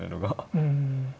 うん。